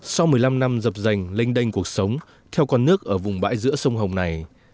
sau một mươi năm năm dập rành lênh đênh cuộc sống theo con nước ở vùng bãi giữa sông hồng này